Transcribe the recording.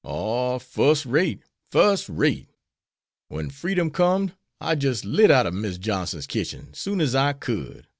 "Oh, fust rate, fust rate! Wen freedom com'd I jist lit out ob Miss Johnson's kitchen soon as I could.